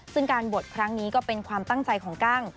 ซึ่งการบวชครั้งนี้ก็เป็นความตั้งใจของกั้ง